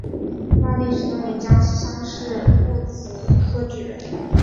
万历十六年江西乡试戊子科举人。